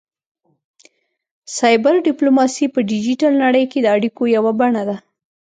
سایبر ډیپلوماسي په ډیجیټل نړۍ کې د اړیکو یوه بڼه ده